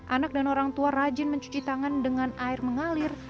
anak dan orang tua rajin mencuci tangan dengan air mengalir